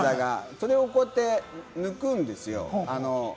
それを抜くんですよ。